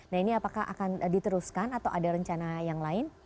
nah ini apakah akan diteruskan atau ada rencana yang lain